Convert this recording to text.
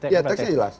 iya teksnya jelas